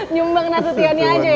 nyumbang nasutionnya aja ya bang ya